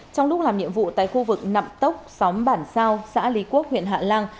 trong lúc làm nhiệm vụ tại khu vực nậm tốc xóm bản sao xã lý quốc huyện hạ lan